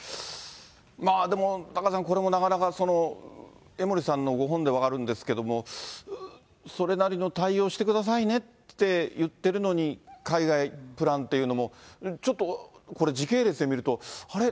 まあでも、タカさん、これもなかなか江森さんのご本で分かるんですけれども、それなりの対応をしてくださいねって言ってるのに、海外プランというのも、ちょっとこれ、時系列で見ると、あれ？